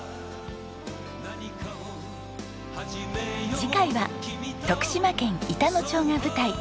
次回は徳島県板野町が舞台。